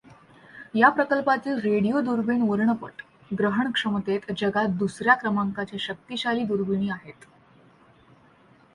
या प्रकल्पातील रेडिओ दुर्बीण वर्णपट ग्रहणक्षमतेत जगात दुसर् या क्रमांकाच्या शक्तिशाली दुर्बिणी आहेत.